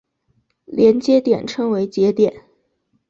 连接点称为节点。